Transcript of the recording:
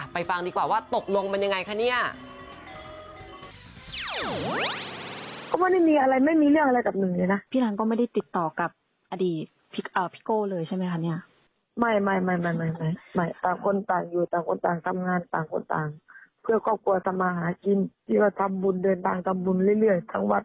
ฟังดีกว่าว่าตกลงมันยังไงคะเนี่ย